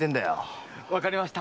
わかりました。